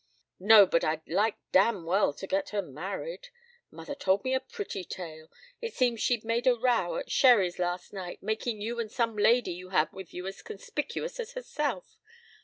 "No, but I'd like damn well to get her married. Mother told me a pretty tale. It seems she made a row at Sherry's last night, making you and some lady you had with you as conspicuous as herself.